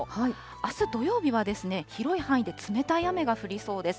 あす土曜日は広い範囲で冷たい雨が降りそうです。